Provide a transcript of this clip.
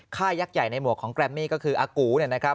ยักษ์ใหญ่ในหมวกของแกรมมี่ก็คืออากูเนี่ยนะครับ